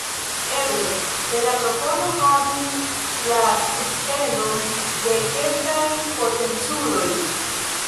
Eble - se la propono havus la subtenon de kelkaj potenculoj.